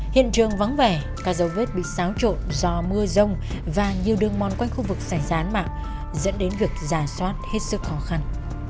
hiện trường vắng vẻ các dấu vết bị xáo trộn do mưa rông và nhiều đường mon quanh khu vực xảy rán mạng dẫn đến việc ra xoát hết sức khó khăn